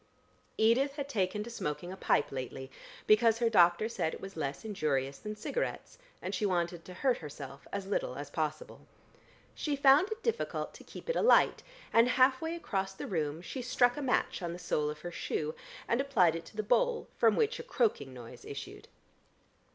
Edith had taken to smoking a pipe lately, because her doctor said it was less injurious than cigarettes, and she wanted to hurt herself as little as possible. She found it difficult to keep it alight, and half away across the room she struck a match on the sole of her shoe, and applied it to the bowl, from which a croaking noise issued.